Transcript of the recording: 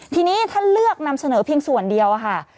ทีนี้ท่านเลือกนำเสนอเพียงส่วนเดียวค่ะ